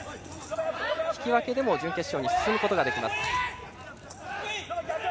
引き分けでも準決勝に進むことができます。